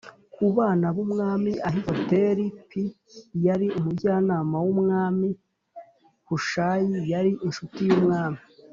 Ku bana b umwami ahitofelip yari umujyanama w umwami hushayis yari incuti y umwami